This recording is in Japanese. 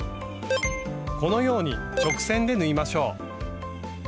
このように直線で縫いましょう。